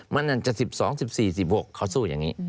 มันอาจจะ๑๒๑๔๑๖เขาสู้อย่างนี้